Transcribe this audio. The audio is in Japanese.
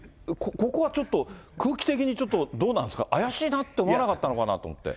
ここはちょっと、空気的にちょっとどうなんですか、怪しいなって思わなかったのかなと思って。